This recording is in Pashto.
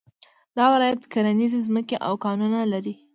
دا ولایت کرنيزې ځمکې او کانونه لري